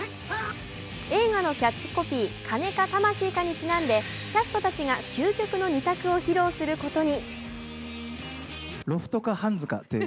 映画のキャッチコピー「金か、魂か」にちなんでキャストたちが究極の２択を披露することに。